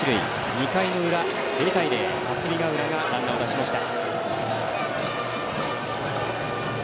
２回の裏、０対０、霞ヶ浦がランナーを出しました。